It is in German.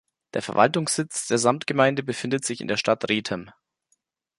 Der Verwaltungssitz der Samtgemeinde befindet sich in der Stadt Rethem.